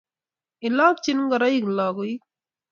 ilokchin ngoroik lakoik